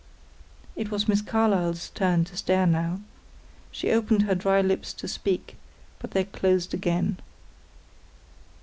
It was Miss Carlyle's turn to stare now. She opened her dry lips to speak, but they closed again.